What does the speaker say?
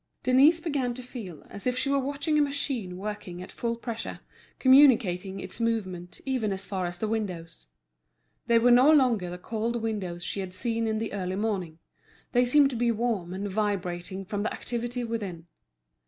Denise began to feel as if she were watching a machine working at full pressure, communicating its movement even as far as the windows. They were no longer the cold windows she had seen in the early morning; they seemed to be warm and vibrating from the activity within.